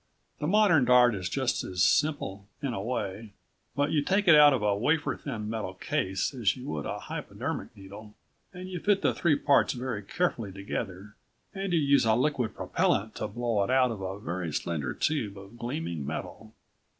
The modern dart is just as simple, in a way, but you take it out of a wafer thin metal case as you would a hypodermic needle and you fit the three parts very carefully together and you use a liquid propellant to blow it out of a very slender tube of gleaming metal.